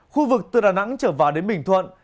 khu vực từ đà nẵng trở vào đến bình thuận